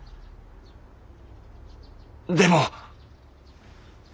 でも。